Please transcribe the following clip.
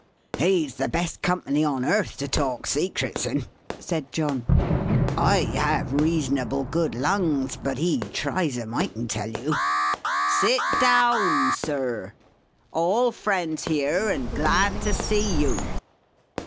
"He's the best company on earth, to talk secrets in," said John. "I have reasonable good lungs, but he tries 'em, I can tell you. Sit down Sir. All friends here, and glad to see you!"